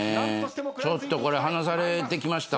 ちょっとこれ離されてきました。